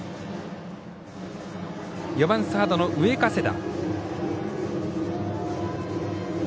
４番、サードの上加世田。